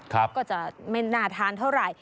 ครับก็จะไม่น่าทานเท่าไร